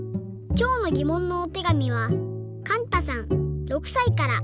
きょうのぎもんのおてがみはかんたさん６さいから。